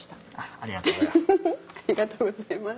ありがとうございます。